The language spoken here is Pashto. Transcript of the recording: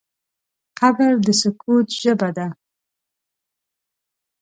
قبر د سکوت ژبه ده.